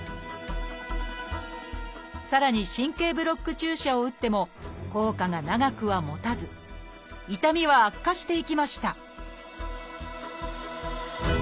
さらに神経ブロック注射を打っても効果が長くはもたず痛みは悪化していきました